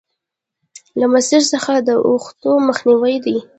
له مسیر څخه د اوښتو مخنیوی دی.